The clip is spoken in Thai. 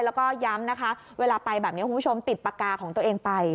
แล้วก็ย้ำนะคะเวลาไปแบบนี้คุณผู้ชมติดปากกาของตัวเองไป